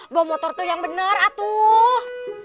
bawa motor tuh yang bener atuh